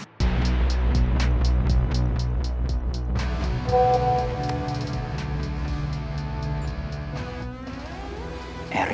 jadi kita harus berhenti